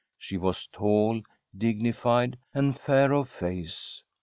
She was tall, dignified, and fair of face.